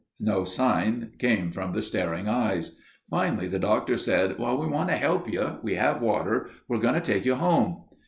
No sign came from the staring eyes. Finally the Doctor said, "We want to help you. We have water. We're going to take you home."